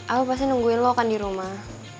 aku pasti nungguin lo kan di rumah